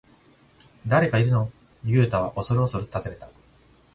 「誰かいるの？」ユウタはおそるおそる尋ねた。